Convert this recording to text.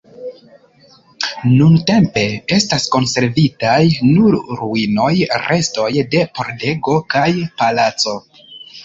Nuntempe estas konservitaj nur ruinoj, restoj de pordego kaj palaco.